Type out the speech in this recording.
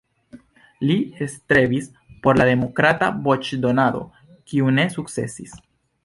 Li strebis por la demokrata voĉdonado, kiu ne sukcesis.